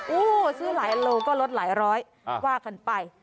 ซื้อหลายโลก็ลดหลายร้อยว่ากันไป